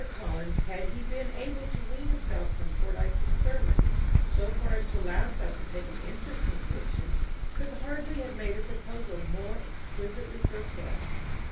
Collins, had he been able to wean himself from Fordyce's Sermons so far as to allow himself to take an interest in fiction, could hardly have made a proposal more exquisitely grotesque.